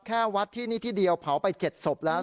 แค่วัดที่นี่ที่เดียวเผาไป๗ศพแล้ว